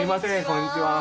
こんにちは。